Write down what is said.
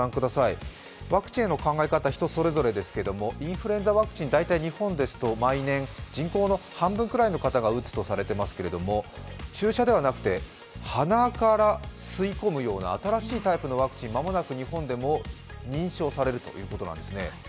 ワクチンへの考え方、人それぞれですけど、インフルエンザワクチン、大体日本ですと、毎年、人口の半分ぐらいの方が打つとされていますけど注射ではなくて、鼻から吸い込むような新しいタイプのワクチン、間もなく日本でも認証されるということなんですね。